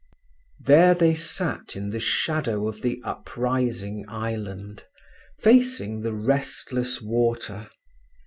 There they sat in the shadow of the uprising island, facing the restless water.